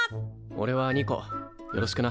おれはニコよろしくな。